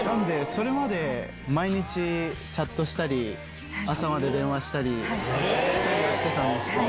それまで、毎日チャットしたり、朝まで電話したりしてたんですけど。